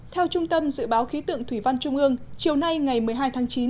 theo trung tâm dự báo khí tượng thủy văn trung ương chiều nay ngày một mươi hai tháng chín